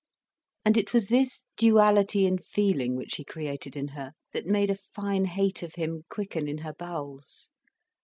And it was this duality in feeling which he created in her, that made a fine hate of him quicken in her bowels.